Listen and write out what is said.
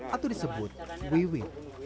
atau disebut wiwi